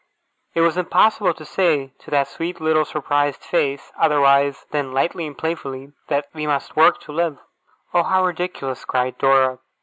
It was impossible to say to that sweet little surprised face, otherwise than lightly and playfully, that we must work to live. 'Oh! How ridiculous!' cried Dora.